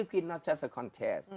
queen beat bukan hanya contes